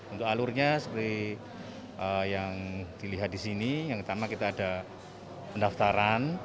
untuk alurnya seperti yang dilihat di sini yang pertama kita ada pendaftaran